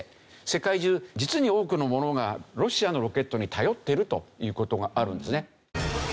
世界中実に多くのものがロシアのロケットに頼ってるという事があるんですね。